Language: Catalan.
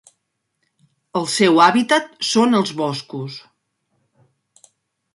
El seu hàbitat són els boscos.